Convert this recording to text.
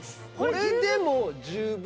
これでも十分。